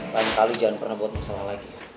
lain kali jangan pernah buat masalah lagi